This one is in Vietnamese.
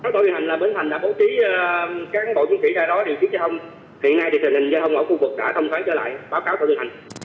tổ điều hành là bến thành đã bố trí cán bộ chiến sĩ ra đó điều tiết giao thông hiện nay thì tình hình giao thông ở khu vực đã thông thoáng trở lại báo cáo tổ chức hành